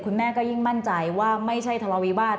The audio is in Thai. แม่ก็ยิ่งมั่นใจว่าไม่ใช่ทะเลาวิวาส